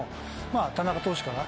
田中投手から。